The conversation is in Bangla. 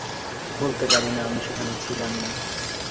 বলতে পারি না, আমি সেখানে ছিলাম না।